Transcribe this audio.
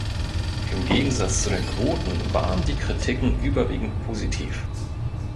Im Gegensatz zu den Quoten waren die Kritiken überwiegend positiv.